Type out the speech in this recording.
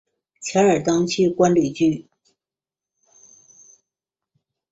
钱尔登去官里居。